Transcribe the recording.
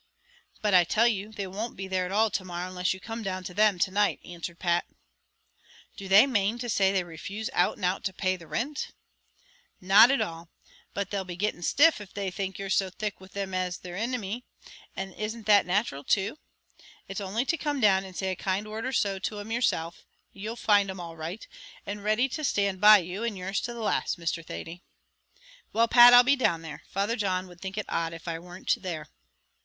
"But I tell you, they won't be there at all to morrow, unless you come down to them to night," answered Pat. "Do they main to say they refuse out and out to pay the rint?" "Not at all; but they'll be getting stiff if they think you're so thick with him as is their inimy and isn't that natural too? It's only to come down and say a kind word or so to 'em yourself, and you'll find them all right and ready to stand by you and yours to the last, Mr. Thady." "Well, Pat, I'll be down there. Father John would think it odd if I weren't there."